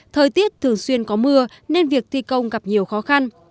thời tiết thường xuyên có mưa nên việc thi công gặp nhiều khó khăn